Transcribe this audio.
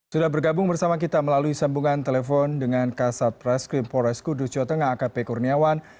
sudah bergabung bersama kita melalui sambungan telepon dengan kasat preskrim polres kudus jawa tengah akp kurniawan